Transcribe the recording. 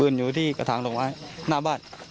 อยู่ที่กระถางลงไม้หน้าบ้าน